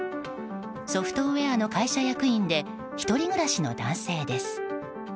ソフトウェアの会社役員で１人暮らしの男性です。